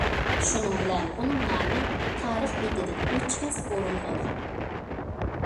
شۇنىڭ بىلەن ئۇنىڭ نامى تارىخ بېتىدىن ئۆچمەس ئورۇن ئالغان.